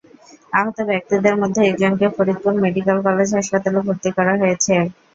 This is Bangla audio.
আহত ব্যক্তিদের মধ্যে একজনকে ফরিদপুর মেডিকেল কলেজ হাসপাতালে ভর্তি করা হয়েছে।